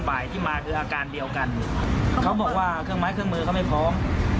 ฝ่ายที่มาคืออาการเดียวกันเขาบอกว่าเครื่องไม้เครื่องมือเขาไม่พร้อม